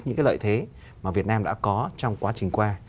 những cái lợi thế mà việt nam đã có trong quá trình qua